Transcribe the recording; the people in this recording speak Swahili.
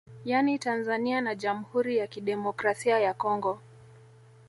Yani Tanzania na Jamhuri ya Kidemokrasia ya Congo